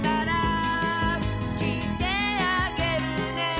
「きいてあげるね」